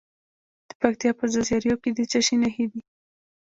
د پکتیا په ځاځي اریوب کې د څه شي نښې دي؟